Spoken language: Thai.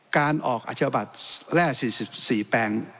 การออกอาชญาบัตรแร่๔๔แปลง